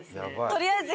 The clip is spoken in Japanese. とりあえず。